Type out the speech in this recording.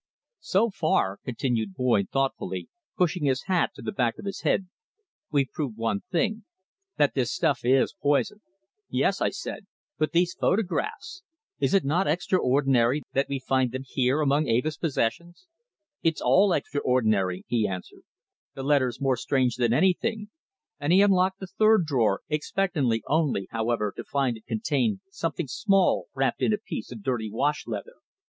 "So far," continued Boyd, thoughtfully, pushing his hat to the back of his head, "we've proved one thing that this stuff is poison." "Yes," I said. "But these photographs? Is it not extraordinary that we find them here among Eva's possessions?" "It's all extraordinary," he answered. "The letters more strange than anything," and he unlocked the third drawer expectantly, only, however, to find it contained something small wrapped in a piece of dirty wash leather.